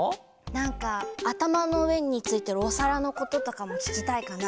なんかあたまのうえについてるおさらのこととかもききたいかな。